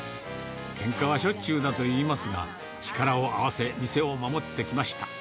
けんかはしょっちゅうだといいますが、力を合わせ、店を守ってきました。